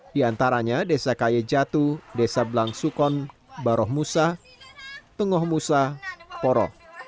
di antaranya desa kaye jatu desa blang sukon baruh musa tenguh musa poroh